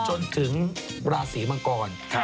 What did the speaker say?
จนถึงราศีมังกร